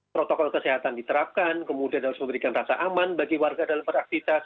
protokol kesehatan diterapkan kemudian harus memberikan rasa aman bagi warga dalam beraktivitas